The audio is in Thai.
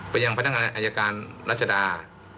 เป็นอย่างพัฒนาอัยการรัชดา